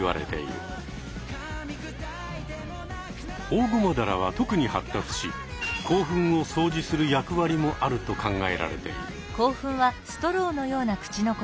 オオゴマダラは特に発達し口吻をそうじする役割もあると考えられている。